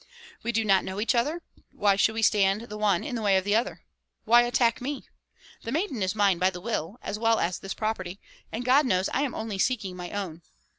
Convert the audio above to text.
We do not know each other; why should we stand the one in the way of the other? Why attack me? The maiden is mine by the will, as well as this property; and God knows I am only seeking my own.